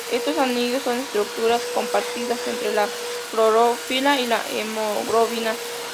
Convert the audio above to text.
Estos anillos son estructuras compartidas entre la clorofila y la hemoglobina.